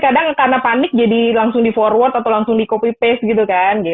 kadang karena panik jadi langsung di forward atau langsung di copy paste gitu kan